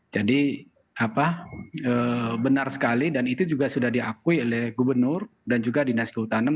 jadi benar sekali dan itu juga sudah diakui oleh gubernur dan juga dinas kehutanan